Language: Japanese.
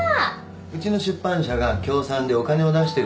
うちの出版社が協賛でお金を出してるんです。